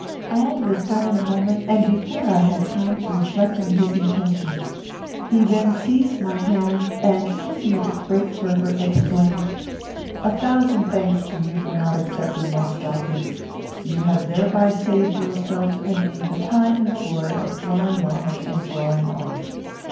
All was done in a moment, and before I had time to reflect on his intentions. He then seized my hand, and, kissing it with great fervour, exclaimed, 'A thousand thanks to you for not accepting my stockings. You have thereby saved yourself and me the time and toil of drawing on and drawing off.